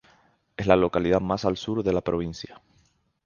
Es la localidad más al sur de la provincia.